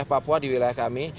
di wilayah papua di wilayah kami